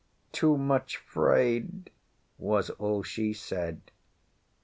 "Too much 'fraid," was all she said.